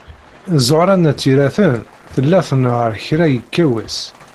Ẓuhṛa n At Yiraten tella tnehheṛ kra yekka wass.